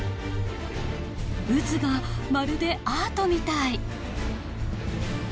渦がまるでアートみたい。